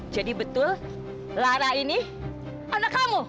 jadi betul lara ini anak kamu